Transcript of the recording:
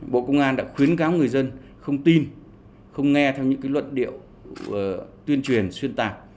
bộ công an đã khuyến cáo người dân không tin không nghe theo những luận điệu tuyên truyền xuyên tạc